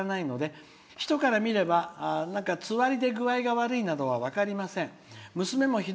妊娠初期の外見はいつもと変わらないので人から見ればつわりで具合が悪いなどは分かりません。